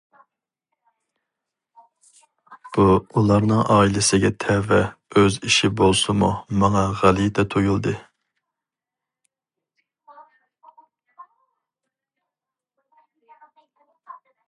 بۇ ئۇلارنىڭ ئائىلىسىگە تەۋە ئۆز ئىشى بولسىمۇ ماڭا غەلىتە تۇيۇلدى.